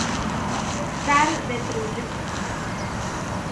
Zar de Trelew.